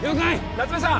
夏梅さん